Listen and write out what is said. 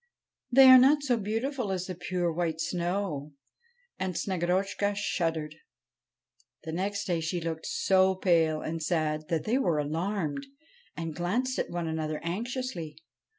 ' They are not so beautiful as the pure, white snow.' And Snegorotchka shuddered. The next day she looked so pale and sad that they were alarmed, and glanced at one another anxiously.